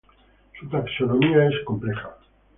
Su taxonomía es compleja.